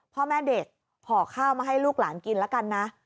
พ่อแม่เด็กห่อข้าวมาให้ลูกหลานกินแล้วกันนะ